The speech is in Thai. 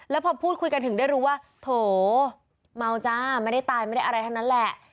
แล้วพอพูดคุยกันถึงได้รู้ว่าโถเมาจ้าไม่ได้ตายไม่ได้อะไรทั้งนั้นแหละ